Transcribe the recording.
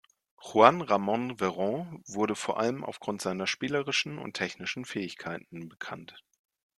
Juan Ramón Verón wurde vor allem aufgrund seiner spielerischen und technischen Fähigkeiten bekannt.